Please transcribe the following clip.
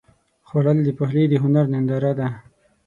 خوړل د پخلي د هنر ننداره ده